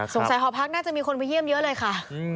หอพักน่าจะมีคนไปเยี่ยมเยอะเลยค่ะ